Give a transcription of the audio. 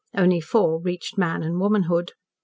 Only four reached man and womanhood.